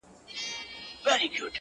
• ملنګه جهاني د پاچاهانو دښمني ده -